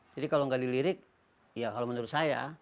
jadi kalau nggak dilirik ya kalau menurut saya